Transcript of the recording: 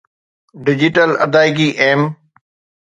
digital ادائيگي M